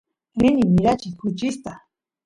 rini mirachiy kuchista